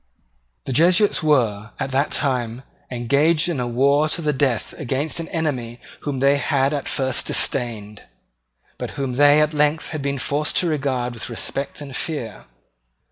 The Jesuits were, at that time, engaged in a war to the death against an enemy whom they had at first disdained, but whom they had at length been forced to regard with respect and fear.